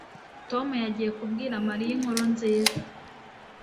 Tom yagiye kubwira Mariya inkuru nziza